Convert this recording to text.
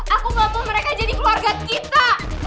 aku bantu mereka jadi keluarga kita